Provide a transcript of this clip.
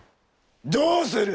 どうする？